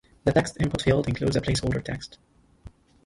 The text input field includes a placeholder text.